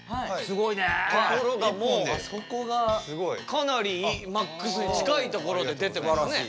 かなりマックスに近いところで出てますね。